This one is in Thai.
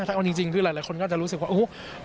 แต่ว่าจริงคือหลายคนก็จะรู้สึกว่าอุ๊บ